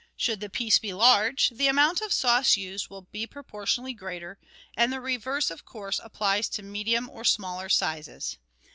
Should the piece be large, the amount of sauce used will be proportionately greater, and the reverse, of course, applies to medium or smaller sizes.